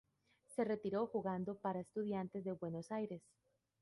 Se retiró jugando para Estudiantes de Buenos Aires.